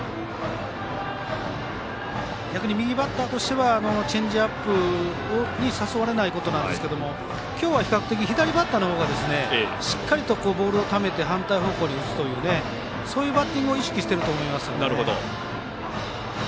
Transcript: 逆に右バッターはチェンジアップに誘われないことですが今日は比較的、左バッターの方がしっかりとボールをためて反対方向に打つというバッティングを意識していると思います。